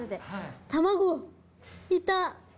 卵いた。